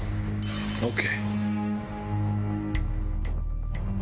ＯＫ！